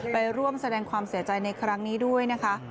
ไปร่วมแสดงความเสียใจในครั้งนี้ด้วยนะคะ